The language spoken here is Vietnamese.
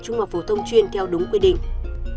trung học phổ thông chuyên theo đúng quy định